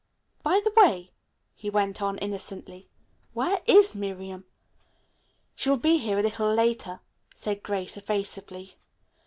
By the way," he went on innocently, "where is Miriam?" "She will be here a little later," said Grace evasively.